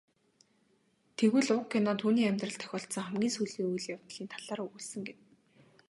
Тэгвэл уг кино түүний амьдралд тохиолдсон хамгийн сүүлийн үйл явдлын талаар өгүүлсэн гэнэ.